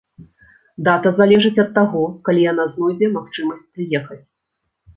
Дата залежыць ад таго, калі яна знойдзе магчымасць прыехаць.